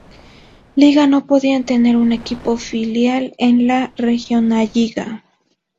Liga no podían tener un equipo filial en la Regionalliga.